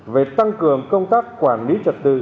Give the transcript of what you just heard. về tăng cường công tác quản lý trật tự